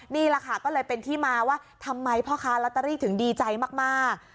นี่แหละค่ะก็เลยเป็นที่มาว่าทำไมพ่อค้าลอตเตอรี่ถึงดีใจมาก